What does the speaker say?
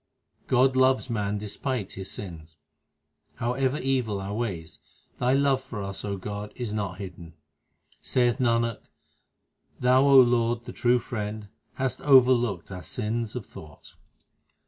God loves man despite his sins : However evil our ways, Thy love for us, O God, is not hidden. Saith Nanak, Thou O Lord, the true Friend, hast over looked our sins of thought.